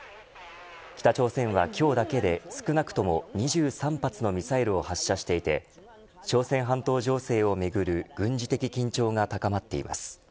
北朝鮮は今日だけで少なくとも２３発のミサイルを発射していて朝鮮半島情勢をめぐる軍事的緊張